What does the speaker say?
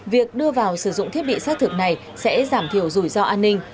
việc đưa vào sử dụng thiết bị xác thực này sẽ giảm thiểu rủi ro an ninh